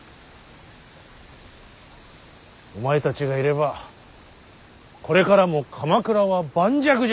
お前たちがいればこれからも鎌倉は盤石じゃ。